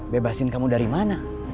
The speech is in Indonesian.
bebasin kamu dari mana